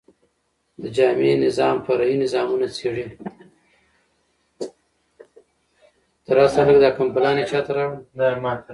د جامع نظام، فرعي نظامونه څيړي.